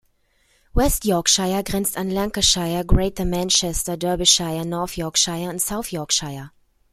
West Yorkshire grenzt an Lancashire, Greater Manchester, Derbyshire, North Yorkshire und South Yorkshire.